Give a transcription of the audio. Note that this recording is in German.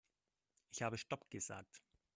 Ich habe stopp gesagt.